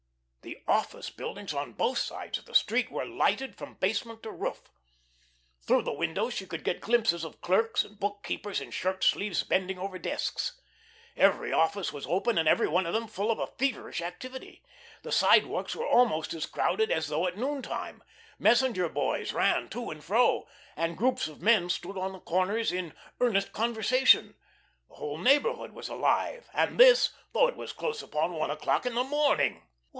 The office buildings on both sides of the street were lighted from basement to roof. Through the windows she could get glimpses of clerks and book keepers in shirt sleeves bending over desks. Every office was open, and every one of them full of a feverish activity. The sidewalks were almost as crowded as though at noontime. Messenger boys ran to and fro, and groups of men stood on the corners in earnest conversation. The whole neighbourhood was alive, and this, though it was close upon one o'clock in the morning!